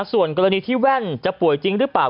ส่วนกรณีที่แว่นจะป่วยจริงหรือเปล่า